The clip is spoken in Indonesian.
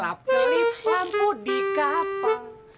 kelap kelipanku di kapang